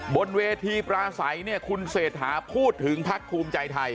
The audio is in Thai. บนเวทีปราศัยเนี่ยคุณเศรษฐาพูดถึงพักภูมิใจไทย